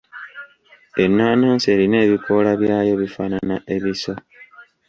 Ennaanansi erina ebikoola byayo bifaana ebiso.